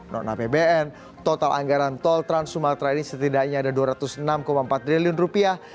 non apbn total anggaran tol trans sumatera ini setidaknya ada dua ratus enam empat triliun rupiah